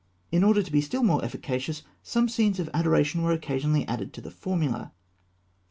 In order to be still more efficacious, some scenes of adoration were occasionally added to the formula: _e.